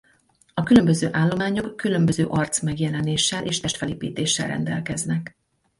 A különböző állományok különböző arc-megjelenéssel és testfelépítéssel rendelkeznek.